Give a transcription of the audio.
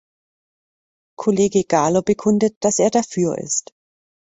Kollege Gahler bekundet, dass er dafür ist.